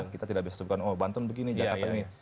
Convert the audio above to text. kita tidak bisa sebutkan oh banten begini jakarta ini